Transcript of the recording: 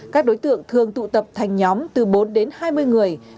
các đối tượng thường tụ tập thành nhóm từ bốn đến hai mươi người